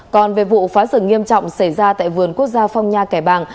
còn về vụ phá rừng nghiêm trọng xảy ra tại vườn quốc gia phong nha cải bằng